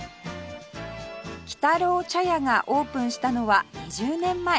鬼太郎茶屋がオープンしたのは２０年前